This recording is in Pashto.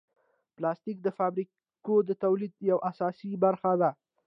پلاستيک د فابریکو د تولید یوه اساسي برخه ده.